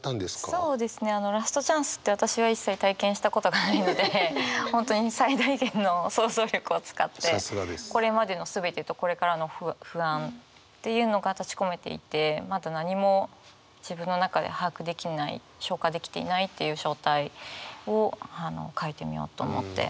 そうですねあのラストチャンスって私は一切体験したことがないので本当に最大限の想像力を使ってこれまでの全てとこれからの不安っていうのが立ちこめていてまだ何も自分の中で把握できない消化できていないっていう状態を書いてみようと思って。